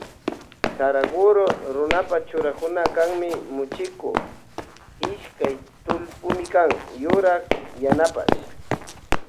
Saraguro runapa churanaka kanmi muchiku ishkay tullpimikan yurak yanapash.